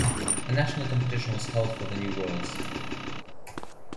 A national competition was held for the new words.